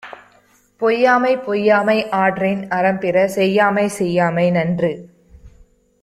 பொய்யாமை பொய்யாமை ஆற்றின் அறம்பிற செய்யாமை செய்யாமை நன்று.